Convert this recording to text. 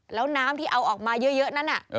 แล้วน้ำที่เอาออกมาเยอะนั้น